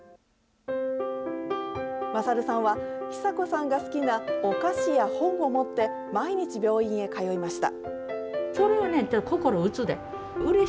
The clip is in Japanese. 勝さんは、久子さんが好きなお菓子や本を持って、毎日、病院へ通いました。